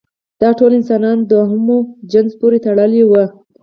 دا ټول انسانان د هومو جنس پورې تړلي وو.